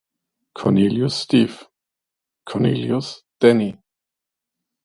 Cornelius, Steve; Cornelius, Danie.